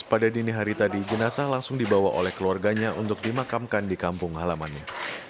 pada dini hari tadi jenazah langsung dibawa oleh keluarganya untuk dimakamkan di kampung halamannya